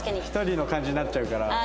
一人の感じになっちゃうから。